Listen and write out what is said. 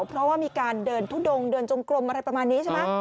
เพราะว่ามีการเดินทุดงเดินจงกลมอะไรประมาณนี้ใช่ไหม